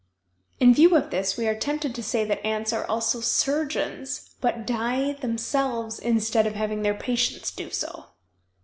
In view of this we are tempted to say that ants are also surgeons, but die themselves instead of having their patients do so!